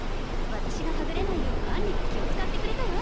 私がはぐれないよう杏里が気を使ってくれたわ